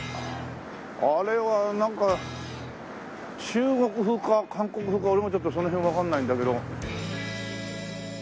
あれはなんか中国風か韓国風か俺もちょっとその辺はわかんないんだけど。